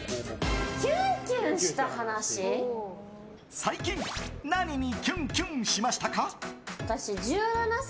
最近、何にキュンキュンしましたか？